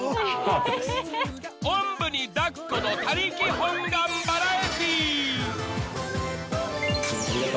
おんぶに抱っこの他力本願バラエティー。